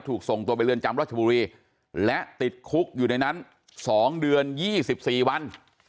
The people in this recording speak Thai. ถูกส่งตัวไปเรือนจำรัชบุรีและติดคุกอยู่ในนั้น๒เดือน๒๔วัน